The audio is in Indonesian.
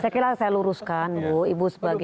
saya kira saya luruskan bu ibu sebagai